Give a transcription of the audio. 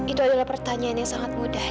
itu adalah pertanyaan yang sangat mudah